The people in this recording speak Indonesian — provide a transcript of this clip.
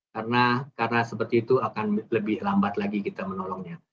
karena seperti itu akan lebih lambat lagi kita menolongnya